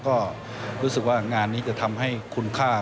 ก็รู้สึกว่างานนี้จะทำให้คุณค่า